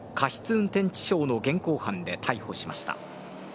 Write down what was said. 運転致傷の現行犯で逮捕しました。